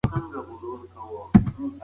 ښوونه او روزنه ملت پیاوړی کوي.